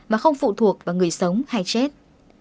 và không phụ thuộc vào người sống hay chết